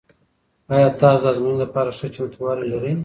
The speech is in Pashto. آیا تاسو د ازموینې لپاره ښه چمتووالی لرئ؟